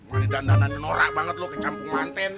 nanti dandan dandan yang norak banget lu kecampung mantin